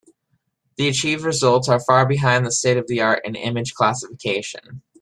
The achieved results are far behind the state-of-the-art in image classification.